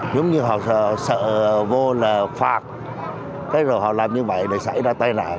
giống như họ sợ vô là phạt cái rồi họ làm như vậy là xảy ra tai đoạn